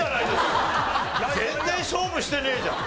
全然勝負してねえじゃん！